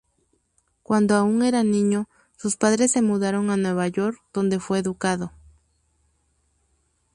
Cuando aún era niño, sus padres se mudaron a Nueva York, donde fue educado.